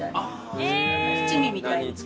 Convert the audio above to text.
七味みたいに。